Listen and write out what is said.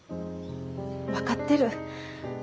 分かってる。